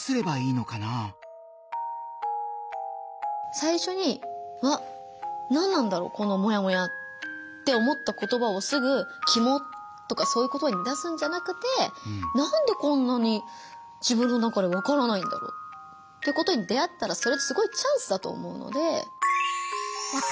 最初に「わっ何なんだろうこのモヤモヤ」って思った言葉をすぐ「キモッ」とかそういう言葉に出すんじゃなくて何でこんなに自分の中で分からないんだろうってことに出会ったらそれってすごいチャンスだと思うので。